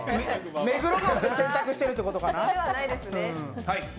目黒川で洗濯してるってことかな？